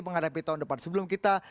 menghadapi tahun depan sebelum kita